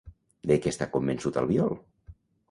De què està convençut Albiol?